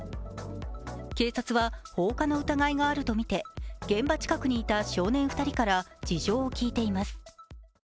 警察は放火の疑いがあるとみて、現場近くにいた少年２人から事情を聴いています。